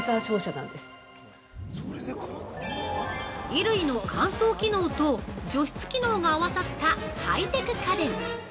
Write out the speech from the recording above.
◆衣類の乾燥機能と除湿機能が合わさったハイテク家電。